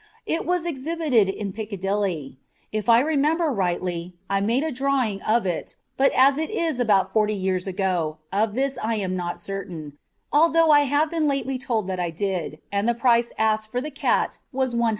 It was exhibited in Piccadilly. If I remember rightly, I made a drawing of it, but as it is about forty years ago, of this I am not certain, although I have lately been told that I did, and that the price asked for the cat was 100 guineas.